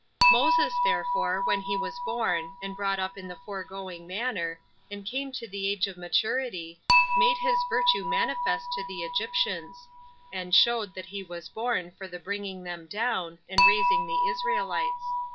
1. Moses, therefore, when he was born, and brought up in the foregoing manner, and came to the age of maturity, made his virtue manifest to the Egyptians; and showed that he was born for the bringing them down, and raising the Israelites.